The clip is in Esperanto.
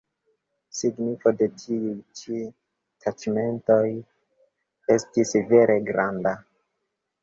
Signifo de tiuj ĉi taĉmentoj estis vere granda.